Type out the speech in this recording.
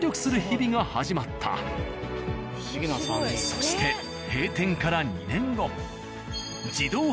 そして閉店から２年後。